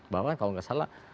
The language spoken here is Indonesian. bahwa kalau tidak salah